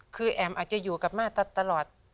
คือแอ๋มอาจจะอยู่กับม่าตลอด